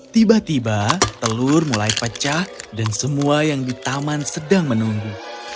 tiba tiba telur mulai pecah dan semua yang di taman sedang menunggu